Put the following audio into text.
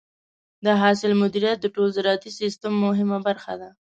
د حاصل مدیریت د ټول زراعتي سیستم مهمه برخه ده.